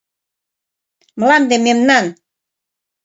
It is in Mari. Мланде мемнан!